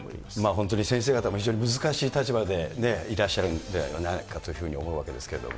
本当に先生方も非常に難しい立場でいらっしゃるんではないかというふうに思うわけですけども。